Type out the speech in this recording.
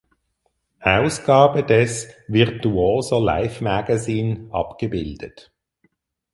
Ausgabe des "Virtuoso Life Magazine" abgebildet.